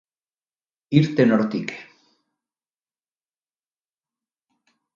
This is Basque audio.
Irten hortik!